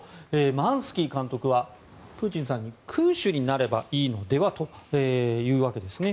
マンスキー監督はプーチンさんに君主になればいいのではと言うわけですね。